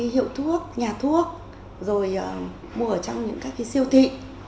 hiệu thuốc nhà thuốc rồi mua ở trong những các siêu thị